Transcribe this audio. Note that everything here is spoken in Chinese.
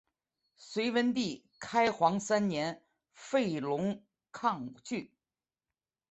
隋文帝开皇三年废龙亢郡。